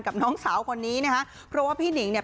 น้องสาวคนนี้นะคะเพราะว่าพี่หนิงเนี่ย